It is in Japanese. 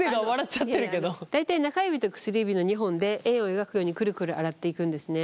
大体中指と薬指の２本で円を描くようにくるくる洗っていくんですね。